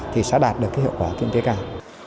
thì sẽ đạt được hiệu quả kinh tế cao